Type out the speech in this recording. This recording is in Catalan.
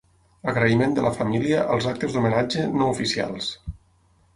Agraïment de la família als actes d’homenatge ‘no oficials’